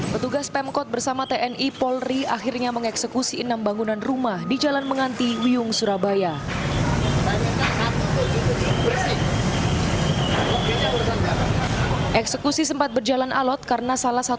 petugas pemkot bersama tni polri akhirnya mengeksekusi enam bangunan rumah di jalan menganti wiyung surabaya